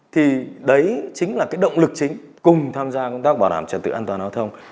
thì đấy chính là cái động lực chính cùng tham gia công tác bảo đảm trật tự an toàn giao thông